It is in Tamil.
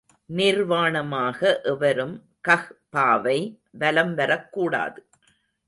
நிர்வாணமாக எவரும் கஃபாவை வலம் வரக் கூடாது.